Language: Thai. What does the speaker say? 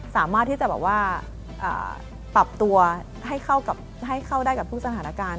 สามารถที่จะแบบว่าปรับตัวให้เข้าได้กับทุกสถานการณ์